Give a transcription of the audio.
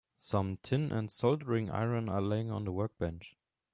Some tin and a soldering iron are laying on the workbench.